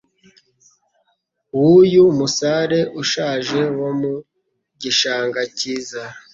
w'uyu musare ushaje wo mu gishanga cyiza